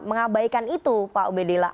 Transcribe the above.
mengabaikan itu pak ubedillah